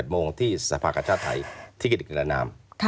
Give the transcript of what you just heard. ๑๑โมงที่สภาคชาติไทยที่กิจกรรณานาม